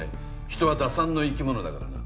人は打算の生き物だからな。